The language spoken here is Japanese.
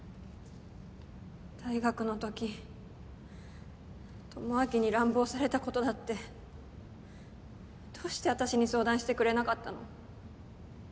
大学の時智明に乱暴されたことだってどうして私に相談してくれなかったの！？